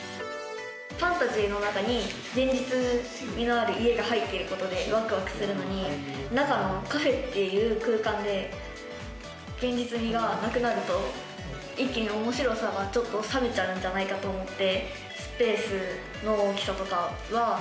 ファンタジーの中に現実味のある家が入ってる事でワクワクするのに中のカフェっていう空間で現実味がなくなると一気に面白さが冷めちゃうんじゃないかと思って。